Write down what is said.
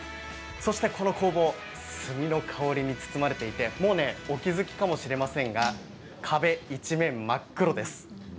そしてこの工房墨の香りに包まれていてもうお気付きかも知れませんが壁一面、真っ黒です。